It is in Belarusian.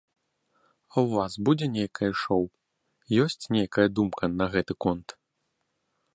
А ў вас будзе нейкае шоў, ёсць нейкая думка на гэты конт?